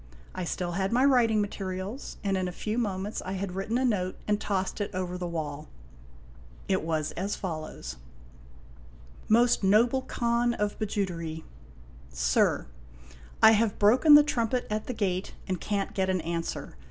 I still had my writing materials, and in a few moments I had written a note and tossed it over the wall. It was as follows : MOST NOBLE KHAN OF BIJOUTERY. SIR : I have broken the trumpet at the gate, and can't get an answer.